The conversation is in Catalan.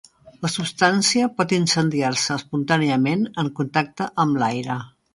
La substància pot incendiar-se espontàniament en contacte amb l'aire.